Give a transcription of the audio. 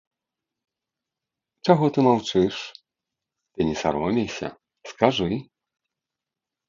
Чаго ты маўчыш, ты не саромейся, скажы.